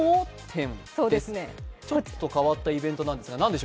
展です、ちょっと変わったイベントなんですが。